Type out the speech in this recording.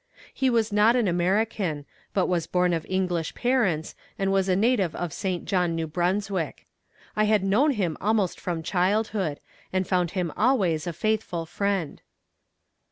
He was not an American, but was born of English parents, and was a native of St. John, New Brunswick. I had known him almost from childhood, and found him always a faithful friend.